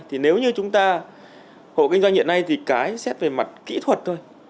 thì nếu như chúng ta hộ kinh doanh hiện nay thì cái xét về mặt kỹ thuật thôi